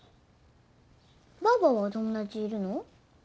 ばあばは友達いるの？